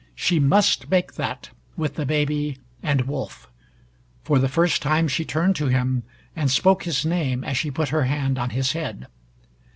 She must make that, with the baby and Wolf. For the first time she turned to him, and spoke his name as she put her hand on his head.